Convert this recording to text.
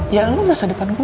ya lu masa depan gue